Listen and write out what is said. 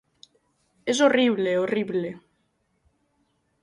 És horrible, horrible!